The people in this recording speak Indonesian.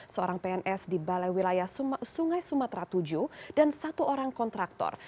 seorang pns di balai wilayah sungai sumatera tujuh dan satu orang kontraktor